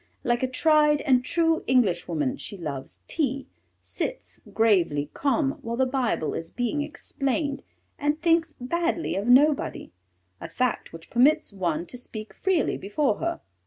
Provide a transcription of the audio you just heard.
Like a tried and true Englishwoman she loves tea, sits, gravely calm, while the Bible is being explained, and thinks badly of nobody, a fact which permits one to speak freely before her.